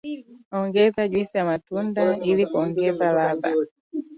Ongeza juisi ya matunda ili kuongeza ladha